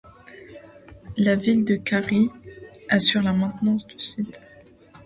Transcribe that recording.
La ville de Cary assure la maintenance du site.